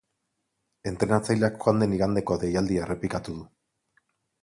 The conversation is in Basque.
Entrenatzaileak joan den igandeko deialdia errepikatu du.